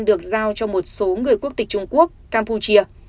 được giao cho một số người quốc tịch trung quốc campuchia